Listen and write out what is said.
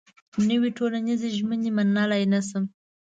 نوې ټولنيزې ژمنې منلای نه شم.